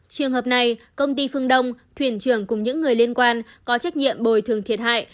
trường hợp này công ty phương đông thuyền trưởng cùng những người liên quan có trách nhiệm bồi thường thiệt hại